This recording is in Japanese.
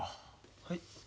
はい。